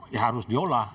ya harus diolah